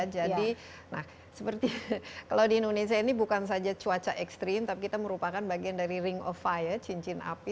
jadi seperti kalau di indonesia ini bukan saja cuaca ekstrim tapi kita merupakan bagian dari ring of fire cincin api